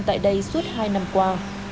tại đây suốt hai năm qua